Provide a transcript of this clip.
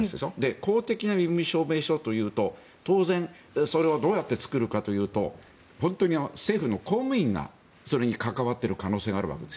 公的な身分証明書というと当然、それをどうやって作るかというと本当に政府の公務員がそれに関わってる可能性があるわけです。